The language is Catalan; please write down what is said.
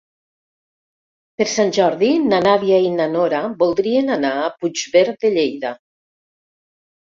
Per Sant Jordi na Nàdia i na Nora voldrien anar a Puigverd de Lleida.